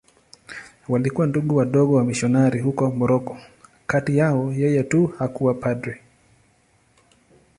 Walikuwa Ndugu Wadogo wamisionari huko Moroko.Kati yao yeye tu hakuwa padri.